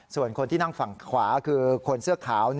ส่วนคนที่นั่งฝั่งขวาคือคนเสื้อขาว